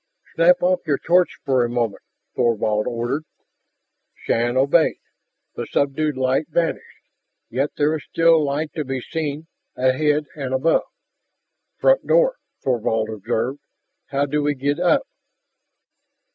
"Snap off your torch a moment!" Thorvald ordered. Shann obeyed. The subdued light vanished. Yet there was still light to be seen ahead and above. "Front door," Thorvald observed. "How do we get up?"